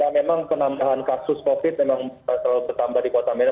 memang penambahan kasus covid sembilan belas memang selalu bertambah di kota medan